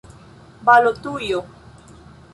Balotujo.